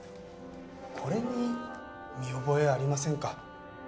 これに見覚えありませんか？